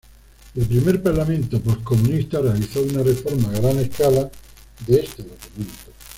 El primer Parlamento pos-comunista realizó una reforma a gran escala de este documento.